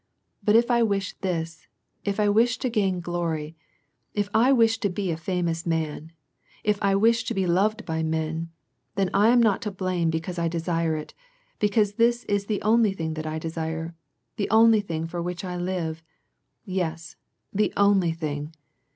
But if I wish this, if I wish to win glory, if I wish to be a famous man, if I wish to be loved by men, then I am not to blame because I desire it, because this is the only thing that I desire, the only thing for which I live. Yes the only thing.